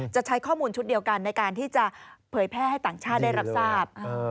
ใช้ข้อมูลชุดเดียวกันในการที่จะเผยแพร่ให้ต่างชาติได้รับทราบ